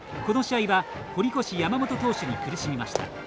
この試合は堀越・山本投手に苦しみました。